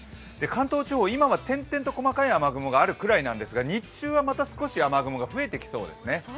関東地方、今は点々と細かい雨雲があるくらいなんですが日中はまた少し雨雲が増えてきそうですね。